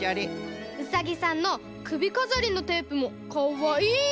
「ウサギさんのくびかざりのテープもかわいい！」。